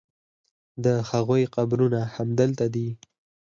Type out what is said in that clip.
د هغوی قبرونه همدلته دي.